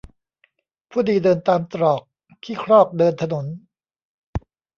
ผู้ดีเดินตามตรอก ขี้ครอกเดินถนน